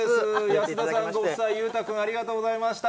安田さんご夫妻、裕太君、ありがとうございました。